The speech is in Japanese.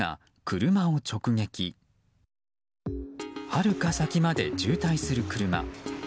はるか先まで渋滞する車。